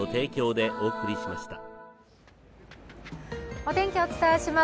お天気、お伝えします。